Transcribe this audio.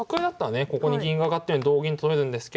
ここに銀が上がって同銀と取れるんですけど。